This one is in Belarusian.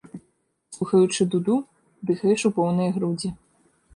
Слухаючы дуду, дыхаеш у поўныя грудзі.